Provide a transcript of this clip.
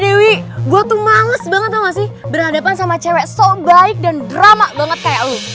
dewi gue tuh males banget tau gak sih berhadapan sama cewek so baik dan drama banget kayak oh